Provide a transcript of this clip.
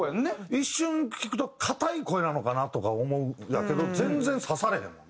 一瞬聴くと硬い声なのかなとか思うんやけど全然刺されへんもん。